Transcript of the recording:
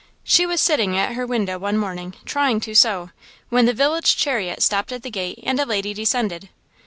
She was sitting at her window one morning, trying to sew, when the village chariot stopped at the gate and a lady descended.